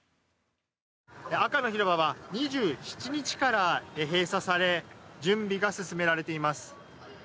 赤の広場は２７日から閉鎖され準備が進められています。